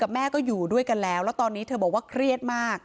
แม่ก็อยู่ด้วยกันแล้วแล้วตอนนี้เธอบอกว่าเครียดมาก